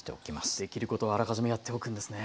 できることはあらかじめやっておくんですね。